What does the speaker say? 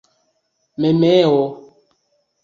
memeo